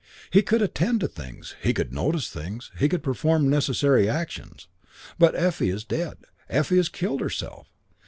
He could attend to things; he could notice things; he could perform necessary actions; but "Effie is dead." "Effie has killed herself."